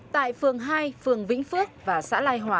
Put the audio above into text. tại phường hai phường vĩnh phước và xã lai hòa